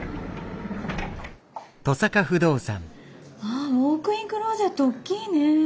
あウォークインクローゼット大きいね。